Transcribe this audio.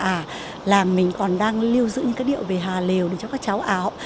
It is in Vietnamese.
à là mình còn đang lưu giữ những cái điệu về hà lều để cho các cháu áo